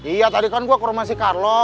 iya tadi kan gue ke rumah si carlo